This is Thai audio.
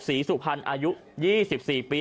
สุพรรณอายุ๒๔ปี